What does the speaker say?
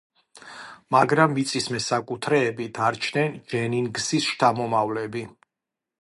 მაგრამ მიწის მესაკუთრეები დარჩნენ ჯენინგსის შთამომავლები.